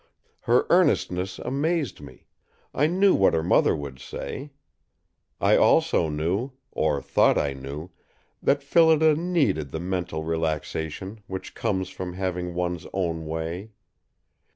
Her earnestness amazed me. I knew what her mother would say. I also knew, or thought I knew that Phillida needed the mental relaxation which comes from having one's own way.